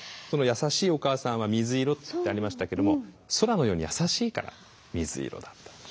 「やさしいお母さんは水色」ってありましたけども空のようにやさしいから水色だと。